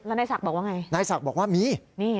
แล้วนายศักดิ์บอกว่าไงนายศักดิ์บอกว่ามีนี่